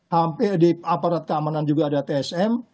hampir di aparat keamanan juga ada tsm